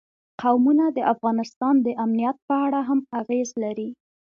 قومونه د افغانستان د امنیت په اړه هم اغېز لري.